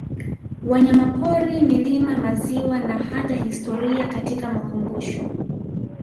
Wanyamapori milima maziwa na hata historia katika makumbusho